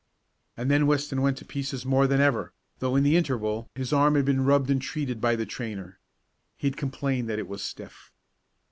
And then Weston went to pieces more than ever, though in the interval his arm had been rubbed and treated by the trainer. He had complained that it was stiff.